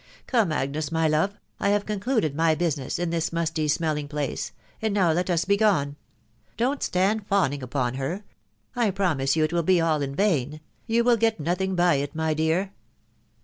Come, Agnes, my love, I have concluded my business in this musty smelling place, and now let us be gone. ... Don't stand fawn ing upon her .... I promise you it will be all in vain. ... You will get nothing by it, my dear."